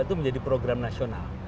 itu menjadi program nasional